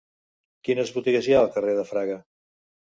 Quines botigues hi ha al carrer de Fraga?